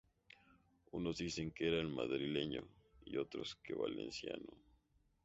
Unos dicen que era madrileño, y otros que valenciano.